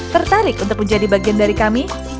tertarik untuk menjadi bagian dari kami